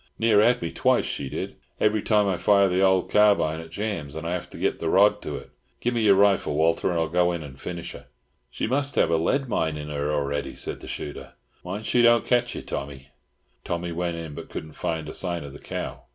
Near had me twice, she did. Every time I fire the old carbine, it jams, and I have to get the rod to it. Gimme your rifle, Walter, and I'll go in and finish her." "She must have a lead mine in her already," said the shooter. "Mind she don't ketch you, Tommy." Tommy went in, but couldn't find a sign of the cow.